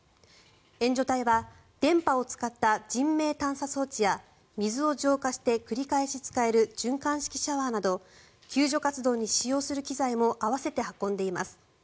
援助隊は電波を使った人命探査装置や水を浄化して繰り返し使える循環式シャワーなど救助活動に使用する機材も併せて運んでいます。